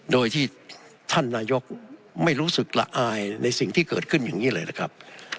โดยที่ท่านนายกไม่รู้สึกละอายในสิ่งที่เกิดขึ้นอย่างนี้เลยนะครับ